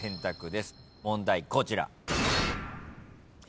問題こちら。